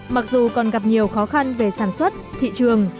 mặc dù còn gặp nhiều khó khăn về sản xuất thị trường